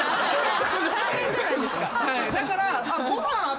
だから。